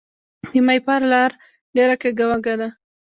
د ماهیپر لاره ډیره کږه وږه ده